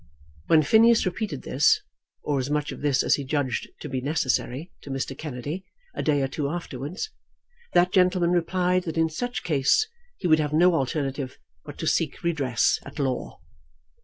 When Phineas repeated this, or as much of this as he judged to be necessary, to Mr. Kennedy a day or two afterwards, that gentleman replied that in such case he would have no alternative but to seek redress at law.